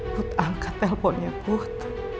put angkat telponnya put